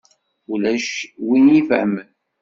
Ulac win i ifehhmen.